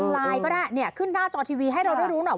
ไลน์ก็ได้เนี่ยขึ้นหน้าจอทีวีให้เราได้รู้หน่อย